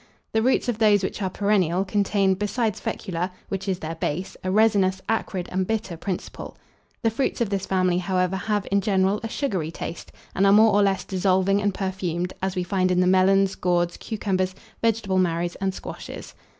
The roots of those which are perennial contain, besides fecula, which is their base, a resinous, acrid, and bitter principle. The fruits of this family, however, have in general a sugary taste, and are more or less dissolving and perfumed, as we find in the melons, gourds, cucumbers, vegetable marrows, and squashes.